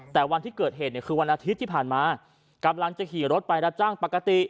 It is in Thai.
แต่วันที่เกิดเหตุเนี่ยคือวันอาทิตย์ที่ผ่านมากำลังจะขี่รถไปรับจ้างปกติ